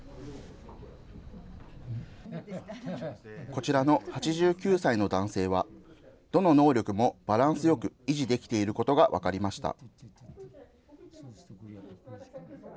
こちらの８９歳の男性は、どの能力もバランスよく維持できていることが分かりました。